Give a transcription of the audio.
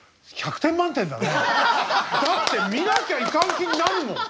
だって見なきゃいかん気になるもん。